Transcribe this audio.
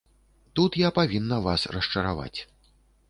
Тут я павінна вас расчараваць.